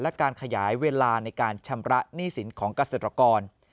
และการขยายเวลาในการชำระหนี้สินของเกษตรกร